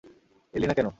এলি না কেন?